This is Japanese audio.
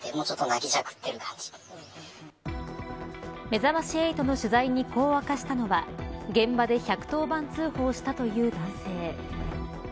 めざまし８の取材にこう明かしたのは現場で１１０番通報したという男性。